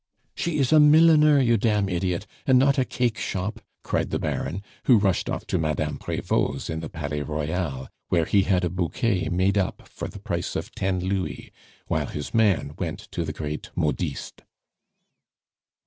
"She is a milliner, you damn' idiot, and not a cake shop!" cried the Baron, who rushed off to Madame Prevot's in the Palais Royal, where he had a bouquet made up for the price of ten louis, while his man went to the great modiste.